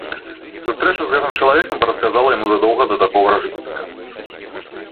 Сустрэчу з гэтым чалавекам прадказала яму задоўга да таго варажбітка.